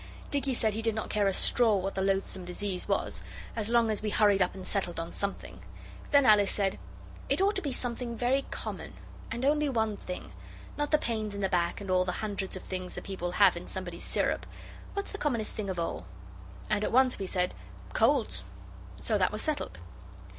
Dicky said he did not care a straw what the loathsome disease was, as long as we hurried up and settled on something. Then Alice said 'It ought to be something very common, and only one thing. Not the pains in the back and all the hundreds of things the people have in somebody's syrup. What's the commonest thing of all?' And at once we said, 'Colds.' So that was settled.